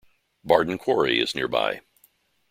Bardon Quarry is nearby.